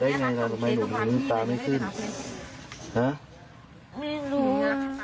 ไม่รู้